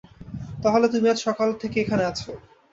তাহলে, তুমি আজ সকাল থেকে এখানে আছো।